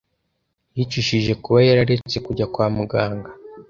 Yicujije kuba yararetse kujya kwa muganga.